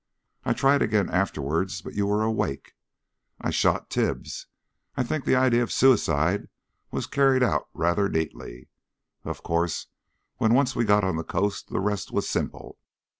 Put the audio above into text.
I tried again afterwards, but you were awake. I shot Tibbs. I think the idea of suicide was carried out rather neatly. Of course when once we got on the coast the rest was simple.